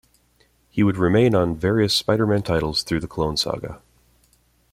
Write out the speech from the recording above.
He would remain on various Spider-Man titles through the Clone Saga.